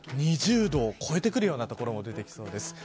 ２０度を超えてくるような所も出てきそうです。